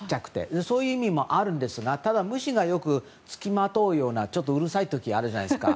そういう意味もあるんですがただ、虫が付きまとってちょっとうるさい時があるじゃないですか。